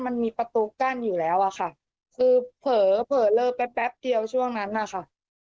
มันมีประตูกั้นอยู่แล้วอ่ะค่ะคือเผลอเลิกแป๊บเดียวช่วงนั้นอ่ะค่ะ